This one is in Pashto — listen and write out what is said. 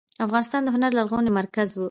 افغانستان د هنر لرغونی مرکز و.